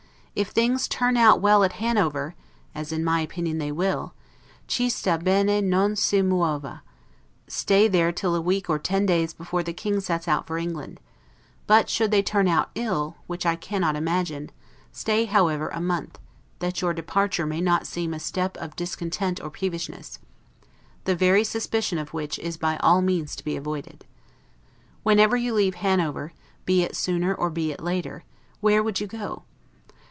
If things TURN OUT WELL AT HANOVER, as in my opinion they will, 'Chi sta bene non si muova', stay there till a week or ten days before the King sets out for England; but, should THEY TURN OUT ILL, which I cannot imagine, stay, however, a month, that your departure may not seem a step of discontent or peevishness; the very suspicion of which is by all means to be avoided. Whenever you leave Hanover, be it sooner or be it later, where would you go?